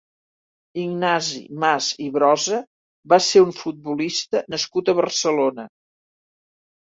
Ignasi Mas i Brosa va ser un futbolista nascut a Barcelona.